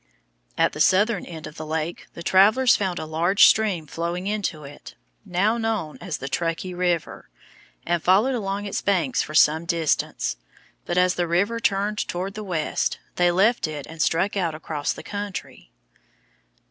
At the southern end of the lake the travellers found a large stream flowing into it (now known as the Truckee River), and followed along its banks for some distance; but as the river turned toward the west, they left it and struck out across the country.